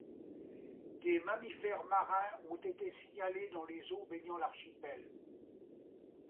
Des mammifères marins ont été signalés dans les eaux baignant l'archipel.